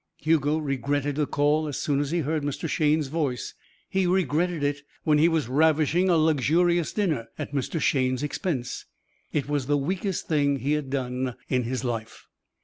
Hugo regretted the call as soon as he heard Mr. Shayne's voice; he regretted it when he was ravishing a luxurious dinner at Mr. Shayne's expense. It was the weakest thing he had done in his life.